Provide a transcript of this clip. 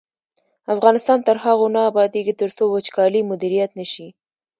افغانستان تر هغو نه ابادیږي، ترڅو وچکالي مدیریت نشي.